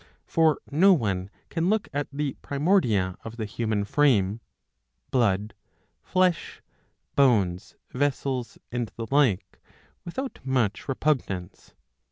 For no one can look at the primordia of the human frame — blood, flesh, bones, vessels, and the like — without much repugnance.